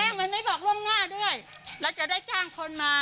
แม่งมันไม่บอกร่วมง่าด้วยแล้วจะได้จ้างคนมา